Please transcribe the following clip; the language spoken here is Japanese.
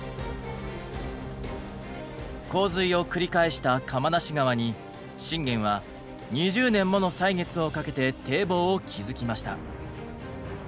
洪水を繰り返した釜無川に信玄は２０年もの歳月をかけて堤防を築きました。